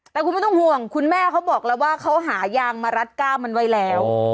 แต่คุณไม่ต้องห่วงคุณแม่เขาบอกแล้วว่าเขาหายางมารัดก้าวมันไว้แล้ว